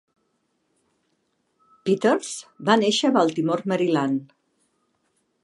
Peters va néixer a Baltimore, Maryland.